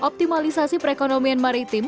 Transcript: optimalisasi perekonomian maritim